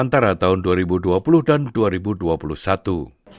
kesehatan dunia yang terjadi dalam kesehatan dunia